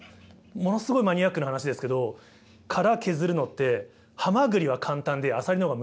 ものすごいマニアックな話ですけど殻削るのってハマグリは簡単でアサリの方が難しいんですよ。